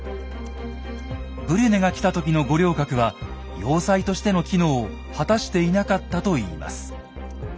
ブリュネが来た時の五稜郭は要塞としての機能を果たしていなかったといいます。